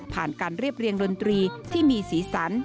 การเรียบเรียงดนตรีที่มีสีสัน